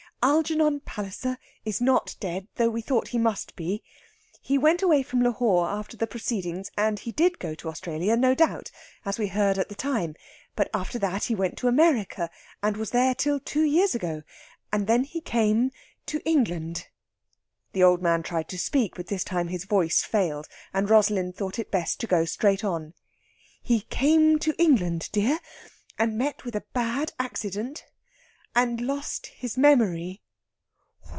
Algernon Palliser is not dead, though we thought he must be. He went away from Lahore after the proceedings, and he did go to Australia, no doubt, as we heard at the time; but after that he went to America, and was there till two years ago ... and then he came to England." The old man tried to speak, but this time his voice failed, and Rosalind thought it best to go straight on. "He came to England, dear, and met with a bad accident, and lost his memory...."